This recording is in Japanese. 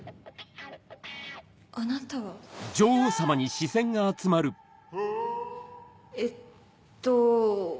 あなたは？えっと。